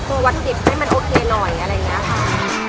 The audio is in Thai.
วัตถุดิบให้มันโอเคหน่อยอะไรอย่างนี้ค่ะ